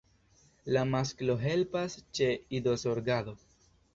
La masklo helpas ĉe idozorgado.